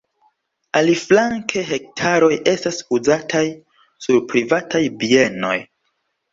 Aliflanke hektaroj estas uzataj sur privataj bienoj.